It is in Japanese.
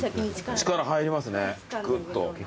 力入りますねぐっと。